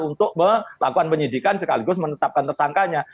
untuk melakukan penyidikan sekaligus menetapkan tersangkanya